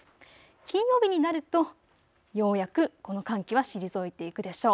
金曜日になるとようやくこの寒気は退いていくでしょう。